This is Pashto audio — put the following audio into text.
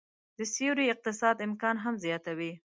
د سیوري اقتصاد امکان هم زياتوي